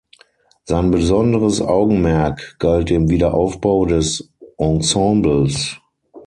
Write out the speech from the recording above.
Sein besonderes Augenmerk galt dem Wiederaufbau des Ensembles.